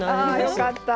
あよかった。